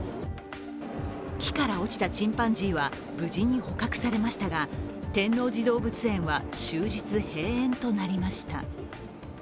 気から落ちたチンパンジーは無事に捕獲されましたが、天王寺動物園は終日閉園となリました。